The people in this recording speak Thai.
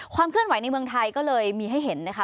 เคลื่อนไหวในเมืองไทยก็เลยมีให้เห็นนะคะ